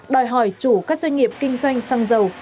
đòi hỏi chủ các doanh nghiệp kinh doanh xăng dầu